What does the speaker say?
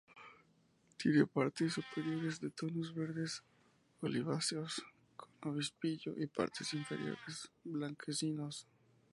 Tiene partes superiores de tonos verdes oliváceos, con obispillo y partes inferiores blanquecinos.